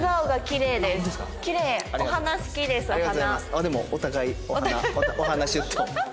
あっでもお互いお鼻お鼻シュッと。